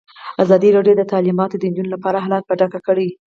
ازادي راډیو د تعلیمات د نجونو لپاره حالت په ډاګه کړی.